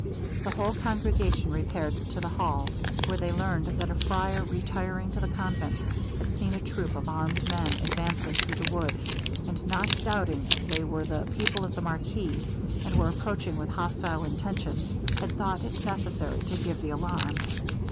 The whole congregation repaired to the hall, where they learned that a friar, retiring to the convent, had seen a troop of armed men advancing through the wood; and not doubting they were the people of the marquis, and were approaching with hostile intention, had thought it necessary to give the alarm.